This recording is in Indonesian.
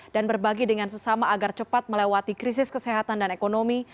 dan berbagi dengan sesama agar cepat melewati krisis kesehatan dan ekonomi